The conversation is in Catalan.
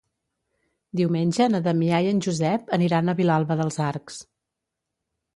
Diumenge na Damià i en Josep aniran a Vilalba dels Arcs.